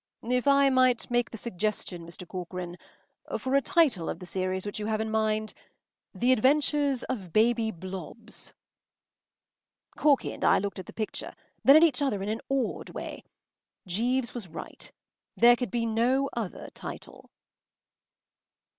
“If I might make the suggestion, Mr. Corcoran—for a title of the series which you have in mind—‘The Adventures of Baby Blobbs.’” Corky and I looked at the picture, then at each other in an awed way. Jeeves was right. There could be no other title.